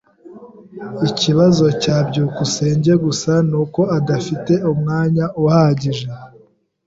Ikibazo cya byukusenge gusa nuko adafite umwanya uhagije.